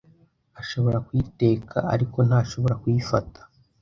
Ashobora kuyiteka, ariko ntashobora kuyifata.